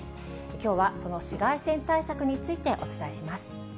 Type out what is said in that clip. きょうは、その紫外線対策についてお伝えします。